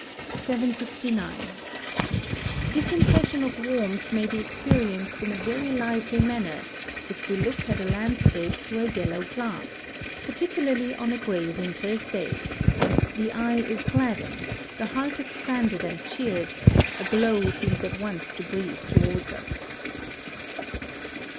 769. This impression of warmth may be experienced in a very lively manner if we look at a landscape through a yellow glass, particularly on a grey winter's day. The eye is gladdened, the heart expanded and cheered, a glow seems at once to breathe towards us.